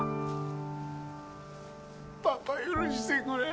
パパ許してくれ！